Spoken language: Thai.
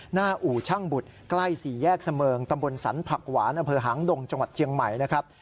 อู่ช่างบุตรใกล้สี่แยกเสมิงตำบลสรรผักหวานอำเภอหางดงจังหวัดเชียงใหม่นะครับ